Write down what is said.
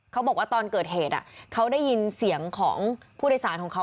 เขาบอกว่าตอนเกิดเหตุเขาได้ยินเสียงของผู้โดยสารของเขา